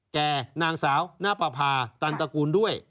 แก่นางสาวนปภาตันตระกูลด้วย